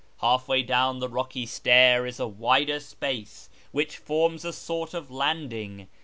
Half way down the rocky stair is a wider space, which forms a sort of landing.